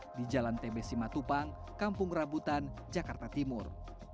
di jalan tbs simatupang kampung rabutan jakarta timur